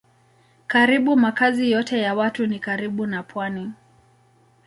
Karibu makazi yote ya watu ni karibu na pwani.